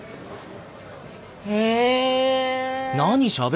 へえ！